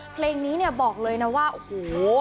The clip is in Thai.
เพลงนี้เนี่ยบอกเลยนะว่าโอ้โห